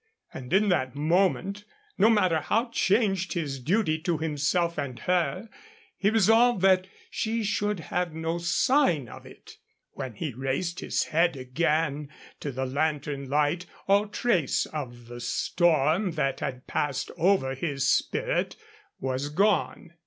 And in that moment, no matter how changed his duty to himself and her, he resolved that she should have no sign of it. When he raised his head again to the lantern light all trace of the storm that had passed over his spirit was gone.